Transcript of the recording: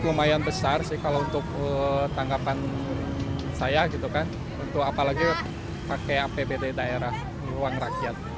lumayan besar sih kalau untuk tanggapan saya gitu kan untuk apalagi pakai apbd daerah ruang rakyat